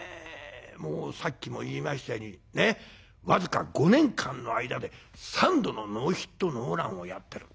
さっきも言いましたように僅か５年間の間で３度のノーヒットノーランをやってる。